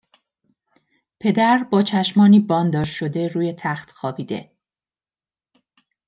پدر با چشمانی بانداژ شده روی تخت خوابیده